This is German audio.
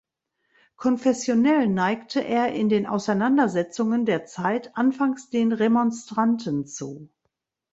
Konfessionell neigte er in den Auseinandersetzungen der Zeit anfangs den Remonstranten zu.